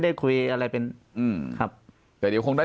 ปากกับภาคภูมิ